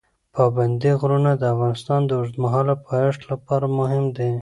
پابندي غرونه د افغانستان د اوږدمهاله پایښت لپاره مهم دي.